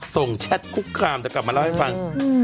ส่งแชทคุกคลามแต่กลับมาเล่าให้ฟัง